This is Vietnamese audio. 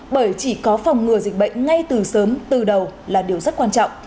bởi chỉ có phòng ngừa dịch bệnh ngay từ sớm từ đầu là điều rất quan trọng